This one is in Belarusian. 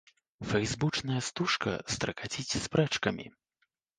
Фэйсбучная стужка стракаціць спрэчкамі.